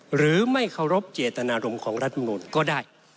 หรือไม่เคารพเจตนารมณ์ของรัฐมนุนก็ได้